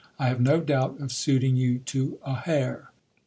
I have no doubt of suiting you to a hair.